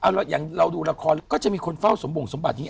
อย่างเราดูละครก็จะมีคนเฝ้าสมบงสมบัตินี้